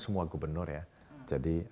semua gubernur ya jadi